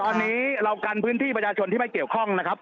ตอนนี้เรากันพื้นที่ประชาชนที่ไม่เกี่ยวข้องนะครับ